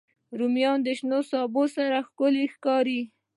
رومیان د شنو سبو سره ښکلي ښکاري